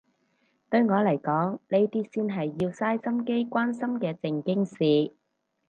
對我嚟講呢啲先係要嘥心機關心嘅正經事